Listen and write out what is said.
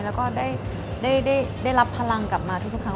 แล้วก็ได้รับพลังกลับมาทุกครั้ง